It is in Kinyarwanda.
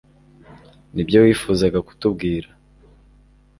Nibyo wifuzaga kutubwira